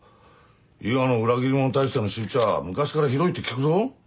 伊賀の裏切り者に対しての仕打ちは昔からひどいって聞くぞ。